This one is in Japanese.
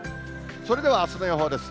それではあすの予報です。